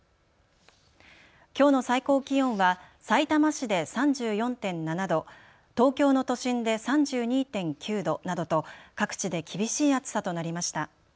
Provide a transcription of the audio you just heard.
きょうの最高気温はさいたま市で３４．７度、東京の都心で３２．９度などと各地で厳しい暑さとなりました。